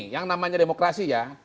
yang namanya demokrasi ya